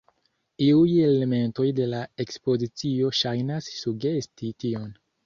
Iuj elementoj de la ekspozicio ŝajnas sugesti tion.